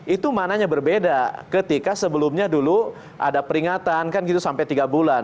itu mananya berbeda ketika sebelumnya dulu ada peringatan kan gitu sampai tiga bulan